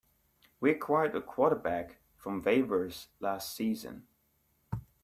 We acquired the quarterback from waivers last season.